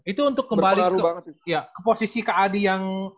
itu untuk kembali ke posisi kak adi yang